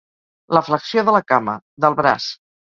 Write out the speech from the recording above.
La flexió de la cama, del braç.